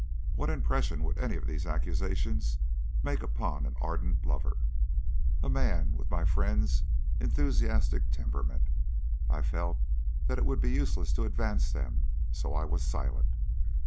What impression would any of these accusations make upon an ardent lover a man with my friend's enthusiastic temperament? I felt that it would be useless to advance them, so I was silent.